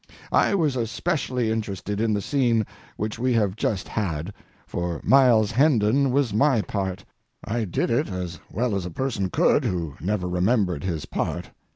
I was especially interested in the scene which we have just had, for Miles Hendon was my part. I did it as well as a person could who never remembered his part.